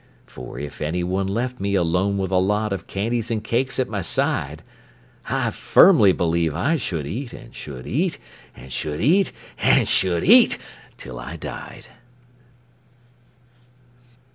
For if any one left me alone with a lot Of candies and cakes at my side, I firmly believe I should eat, and should eat, And should eat, and should eat, till I died.